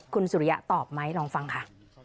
คุณสุริยะตอบไหมลองฟังค่ะ